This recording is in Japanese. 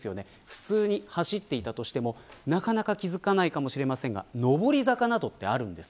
普通に走っていても、なかなか気付かないかもしれませんが上り坂などがあるんです。